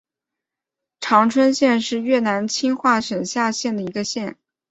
常春县是越南清化省下辖的一个县。